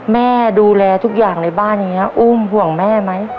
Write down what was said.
แม่ดูแลทุกอย่างในบ้านอย่างนี้อุ้มห่วงแม่ไหม